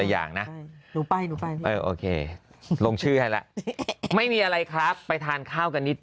อย่างนะโอเคลงชื่อให้ล่ะไม่มีอะไรครับไปทานข้าวกันนิด